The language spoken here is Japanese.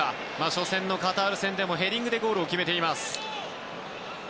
初戦のカタール戦でもヘディングでゴールを決めています。